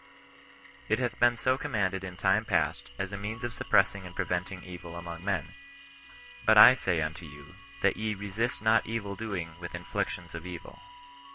It hath been so commanded in time past, as a means of suppressing and preventing evil among men ;" but I say unto you, that ye resist not evil doing with inflictions of evil."